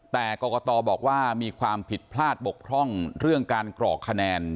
แต่กรกตบอกว่ามีความผิดพลาดบกพร่องเรื่องการกรอกคะแนน